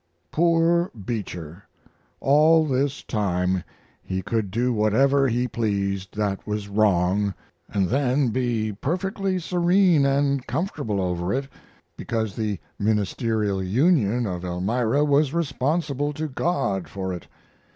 Poor Beecher! All this time he could do whatever he pleased that was wrong, and then be perfectly serene and comfortable over it, because the Ministerial Union of Elmira was responsible to God for it.